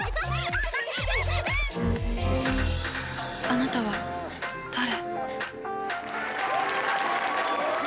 「あなたは誰？」。